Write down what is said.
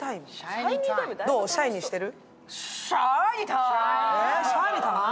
どう、シャイニーしてる？